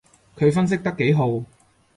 佢分析得幾號